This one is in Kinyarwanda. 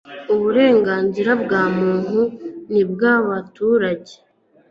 uburenganzira bwa Muntu n ubw Abaturage